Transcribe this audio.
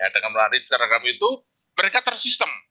dengan melalui seragam itu mereka tersistem